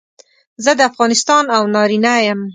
زه د افغانستان او نارینه یم.